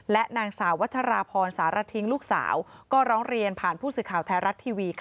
และนางสาววัชราพรสารทิ้งลูกสาวก็ร้องเรียนผ่านผู้สื่อข่าวไทยรัฐทีวี